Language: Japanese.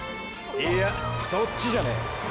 いやそっちじゃねェ。